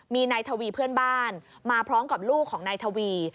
มีนายทวีเพื่อนบ้านมาพร้อมกับลูกของนายทวี